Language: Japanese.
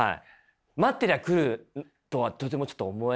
待ってりゃ来るとはとてもちょっと思えないので。